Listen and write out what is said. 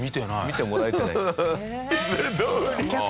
見てもらえてない。